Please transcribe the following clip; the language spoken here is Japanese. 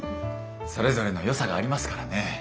それぞれのよさがありますからね。